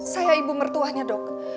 saya ibu mertuahnya dok